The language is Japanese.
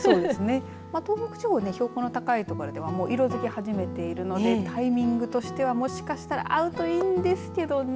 東北地方標高の高いところでは色づき始めているのでタイミングとしてはもしかしたら合うといいんですけどね。